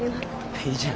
いいじゃん。